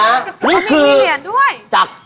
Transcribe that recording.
แล้วไม่มีเหรียญด้วย